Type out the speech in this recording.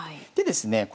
でですね